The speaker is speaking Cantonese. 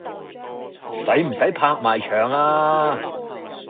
使唔使拍埋牆啊？